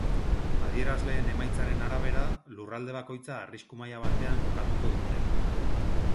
Adierazleen emaitzaren arabera, lurralde bakoitza arrisku maila batean kokatuko dute.